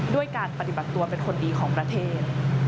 ด้วยการปฏิบัติตัวเป็นคนดีของประเทศ